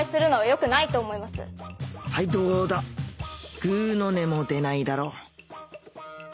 ぐうの音も出ないだろ？